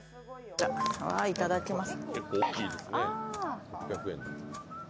いただきます。